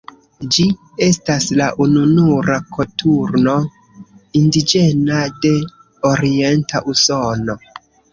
Ĝi estas la ununura koturno indiĝena de orienta Usono.